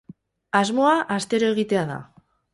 Asmoa, astero egitea da.